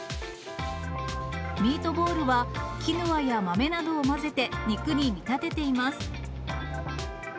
ミートボールはキヌアや豆などを混ぜて肉に見立てています。